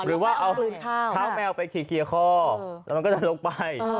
หรือว่าเอาเท้าแมวไปเคลียร์คอแล้วมันก็จะลงไป